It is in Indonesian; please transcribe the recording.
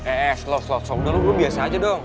eh eh slow slow udah lo biasa aja dong